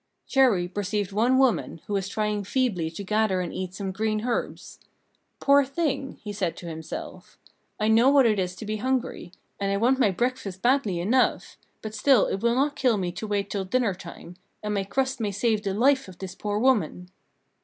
Chéri perceived one woman, who was trying feebly to gather and eat some green herbs. "Poor thing!" said he to himself; "I know what it is to be hungry, and I want my breakfast badly enough; but still it will not kill me to wait till dinner time, and my crust may save the life of this poor woman."